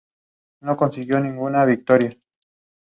The station has few facilities and is unmanned.